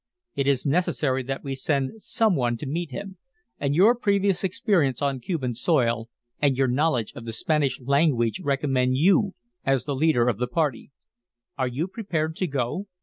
It is necessary that we send some one to meet him, and your previous experience on Cuban soil and your knowledge of the Spanish language recommend you as the leader of the party. Are you prepared to go?